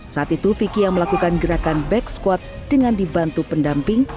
saat itu vicky yang melakukan gerakan back squad dengan dibantu pendamping